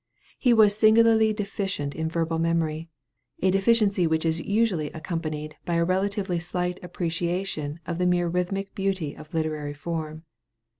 He was singularly deficient in verbal memory, a deficiency which is usually accompanied by a relatively slight appreciation of the mere rhythmic beauty of literary form.